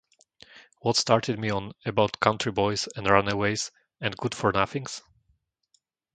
What started me on about country boys, and runaways, and good-for-nothings?